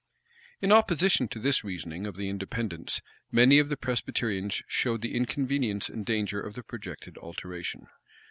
In opposition to this reasoning of the Independents, many of the Presbyterians showed the inconvenience and danger of the projected alteration.